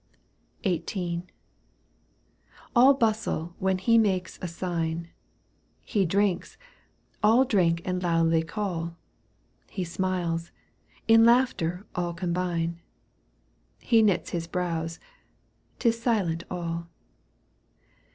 ' XVIII. All bustle when he makes a sign : He drinks, aU. drink and loudly caU. ; He smiles, in laughter аД combine ; He knits, his brows — 'tis silent all.